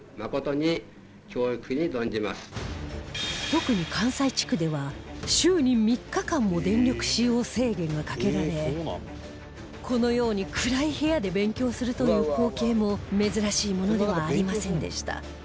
特に関西地区では週に３日間も電力使用制限がかけられこのように暗い部屋で勉強するという光景も珍しいものではありませんでした